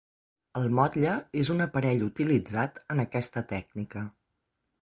El motlle és un aparell utilitzat en aquesta tècnica.